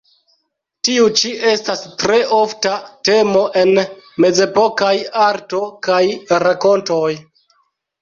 Tiu ĉi estas tre ofta temo en mezepokaj arto kaj rakontoj.